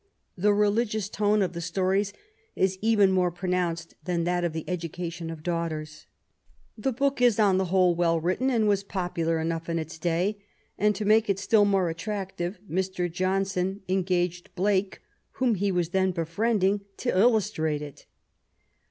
The religious tone of the Stories is even more pronounced than that of the Education of Daughters. The book is, on the whole, well written, and was popular enough in its day, and, to make it still more attractive, Mr. Johnson engaged Slake, whom he was then befriending, to illustrate it.